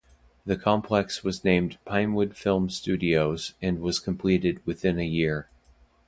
The complex was named Pinewood Film Studios and was completed within a year.